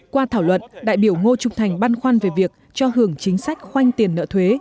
qua thảo luận đại biểu ngô trục thành băn khoăn về việc cho hưởng chính sách khoanh tiền nợ thuế